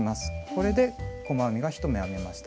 これで細編みが１目編めました。